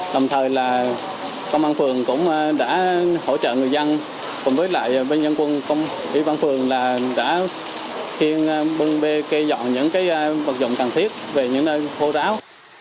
đồng thời là công an phường cũng đã hỗ trợ người dân cùng với lại bên dân quân công y ban phường là đã khiên bưng bê cây dọn những cái vật dụng cần thiết về những nơi khô ráo